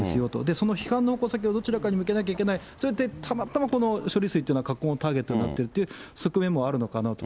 その批判の矛先をどちらかに向けなきゃいけない、それでたまたまこの処理水というのが格好のターゲットになっているという側面もあるのかなと。